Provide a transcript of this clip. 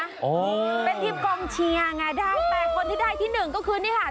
เป็นทีมกองเชียร์ไงได้แต่คนที่ได้ที่หนึ่งก็คือนี่ค่ะ